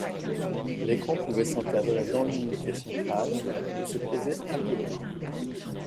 L'écran pouvait s'encastrer dans l'unité centrale, ou se poser à côté.